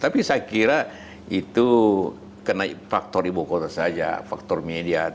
tapi saya kira itu karena faktor ibu kota saja faktor media